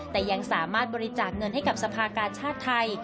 แต่ยังสามารถบริจาคเงินให้กับสภากาชาติไทย